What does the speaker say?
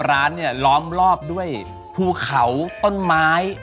ร้านเนี่ยล้อมรอบด้วยภูเขาต้นไม้